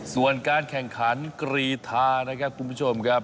ส่วนการแข่งขันกรีธานะครับคุณผู้ชมครับ